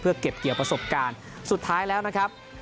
เก็บเกี่ยวประสบการณ์สุดท้ายแล้วนะครับ